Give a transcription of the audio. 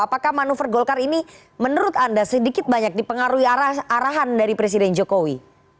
apakah manuver golkar ini menurut anda sedikit banyak dipengaruhi arahan dari presiden jokowi